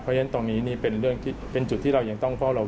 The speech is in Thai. เพราะฉะนั้นตรงนี้เป็นจุดที่เรายังต้องเข้าระวัง